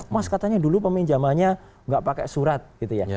mas katanya dulu peminjamannya nggak pakai surat gitu ya